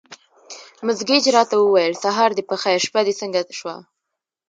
مس ګېج راته وویل: سهار دې په خیر، شپه دې څنګه شوه؟